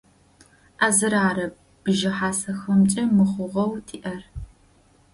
А зыр ары бжыхьасэхэмкӏэ мыхъугъэу тиӏэр.